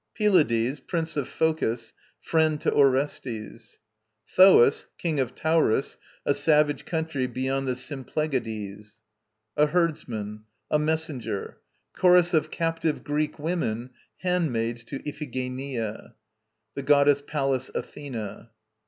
PYLADES, Prince of Phocis, friend to Orestes. THOAS, King of Tauris, a savage country beyond the Symplegades. A HERDSMAN. A MESSENGER. CHORUS of Captive Greek Women, handmaids to Iphigenia. The Goddess PALLAS ATHENA.